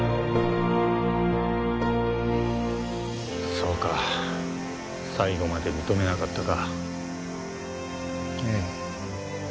そうか最後まで認めなかったかええ